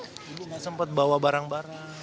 ibu nggak sempat bawa barang barang